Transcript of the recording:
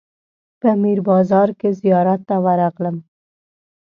په میر بازار کې زیارت ته ورغلم.